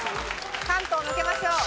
関東抜けましょう。